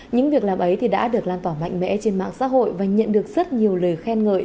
những việc làm ấy thì đã được lan tỏa mạnh mẽ trên mạng xã hội và nhận được rất nhiều lời khen ngợi